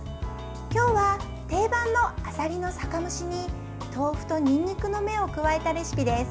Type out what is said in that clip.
今日は定番のあさりの酒蒸しに豆腐とにんにくの芽を加えたレシピです。